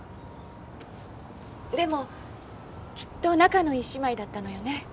でもきっと仲のいい姉妹だったのよね？